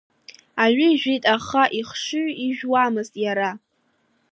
Аҩы ижәит аха ихшыҩ ижәуамызт иара.